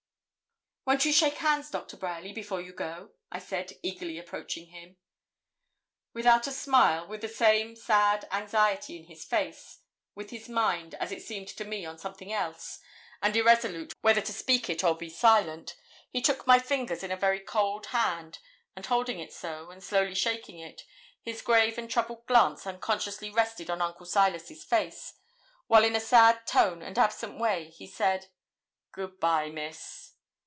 'Won't you shake hands, Doctor Bryerly, before you go?' I said, eagerly approaching him. Without a smile, with the same sad anxiety in his face, with his mind, as it seemed to me, on something else, and irresolute whether to speak it or be silent, he took my fingers in a very cold hand, and holding it so, and slowly shaking it, his grave and troubled glance unconsciously rested on Uncle Silas's face, while in a sad tone and absent way he said 'Good bye, Miss.'